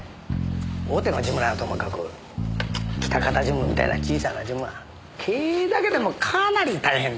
大手のジムならともかく喜多方ジムみたいな小さなジムは経営だけでもかなり大変ですからね。